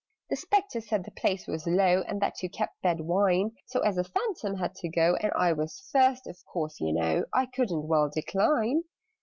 "The Spectres said the place was low, And that you kept bad wine: So, as a Phantom had to go, And I was first, of course, you know, I couldn't well decline."